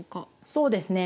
そうですね。